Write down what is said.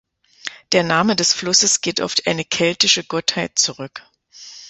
Der Name des Flusses geht auf eine keltische Gottheit zurück.